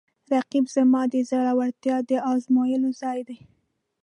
رقیب زما د زړورتیا د ازمویلو ځای دی